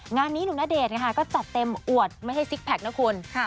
งานนี้หนุ่มณเดชน์ค่ะก็จัดเต็มอวดไม่ให้ซิกแพคนะคุณ